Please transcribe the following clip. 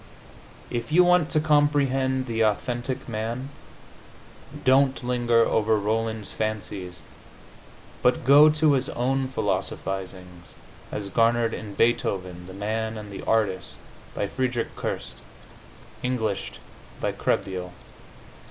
If you want to comprehend the authentic man, don't linger over Rolland's fancies but go to his own philosophizings, as garnered in "Beethoven, the Man and the Artist," by Friedrich Kerst, Englished by Krehbiel.